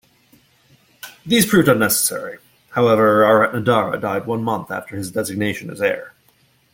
These proved unnecessary, however, Aratnadara died one month after his designation as heir.